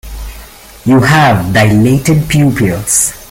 You have dilated pupils.